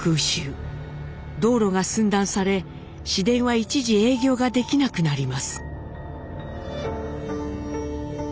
道路が寸断され市電は一時営業ができなくなります。